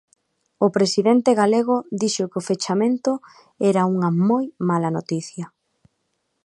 O presidente galego dixo que o fechamento era unha "moi mala noticia".